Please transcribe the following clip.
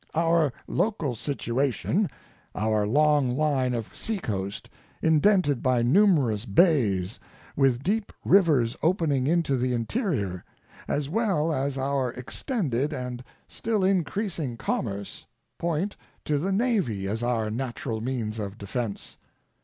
Our local situation, our long line of seacoast, indented by numerous bays, with deep rivers opening into the interior, as well as our extended and still increasing commerce, point to the Navy as our natural means of defense.